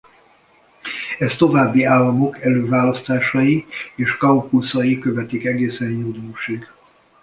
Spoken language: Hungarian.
Ezt további államok előválasztásai és kaukuszai követik egészen júniusig.